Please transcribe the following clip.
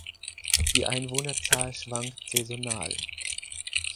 Die Einwohnerzahl schwankt saisonal.